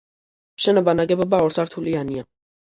შენობა ნაგებობა ორსართულიანია.